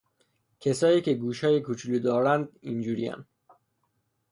کسایی که گوشای کوچولو دارن اینجورین